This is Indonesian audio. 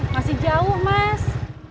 masih jauh mas